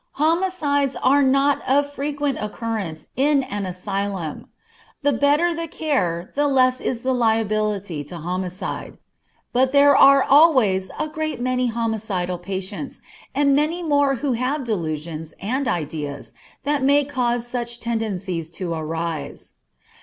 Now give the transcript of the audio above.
Homicides are not of frequent occurrence in an asylum. The better the care the less is the liability to homicide. But there are always a great many homicidal patients, and many more who have delusions and ideas that may cause such tendencies to arise.